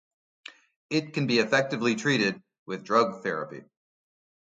It can be effectively treated with drug therapy.